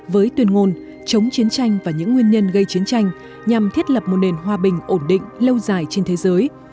với tuyên ngôn chống chiến tranh và những nguyên nhân gây chiến tranh nhằm thiết lập một nền hòa bình ổn định lâu dài trên thế giới